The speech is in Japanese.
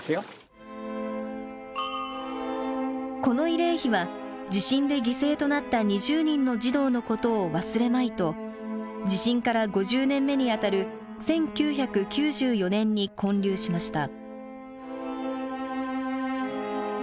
この慰霊碑は地震で犠牲となった２０人の児童のことを忘れまいと地震から５０年目にあたる１９９４年に建立しました。